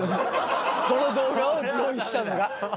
この動画を用意したのが。